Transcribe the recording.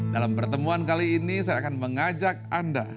dalam pertemuan kali ini saya akan mengajak anda